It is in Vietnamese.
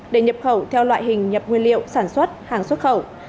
để nhập khẩu theo loại hình nhập nguyên liệu sản xuất hàng xuất khẩu